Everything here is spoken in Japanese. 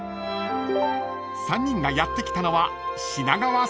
［３人がやって来たのは］